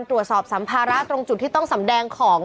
ตรวจสอบสัมภาระตรงจุดที่ต้องสำแดง